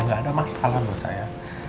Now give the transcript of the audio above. nggak ada masalah menurut saya